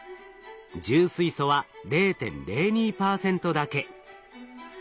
重水素は０．０２％だけ。